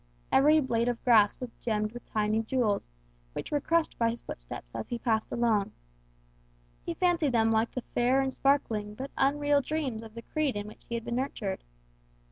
Every blade of grass was gemmed with tiny jewels, which were crushed by his footsteps as he passed along. He fancied them like the fair and sparkling, but unreal dreams of the creed in which he had been nurtured.